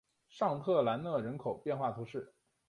尚特兰讷人口变化图示